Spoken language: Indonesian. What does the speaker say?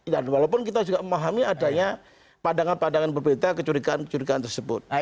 dan walaupun kita juga memahami adanya pandangan pandangan berbeda kecurigaan kecurigaan tersebut